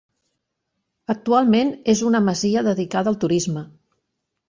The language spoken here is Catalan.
Actualment és una masia dedicada al Turisme.